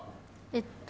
えっと